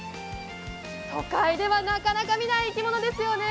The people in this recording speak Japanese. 都会ではなかなか見ない生き物ですよね。